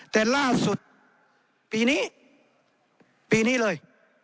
แต่ล่าสุดปีนี้ปีนี้เลย